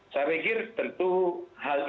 saya pikir tentu hal ini